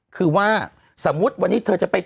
คือว่าสมมุติวันนี้เธอจะไป